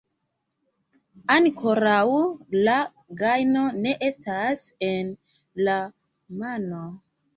Ankoraŭ la gajno ne estas en la mano.